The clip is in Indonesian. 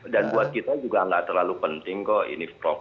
dan buat kita juga enggak terlalu penting kok ini proxy atau apa